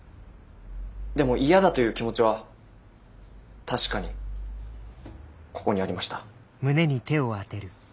でも嫌だという気持ちは確かにここにありました。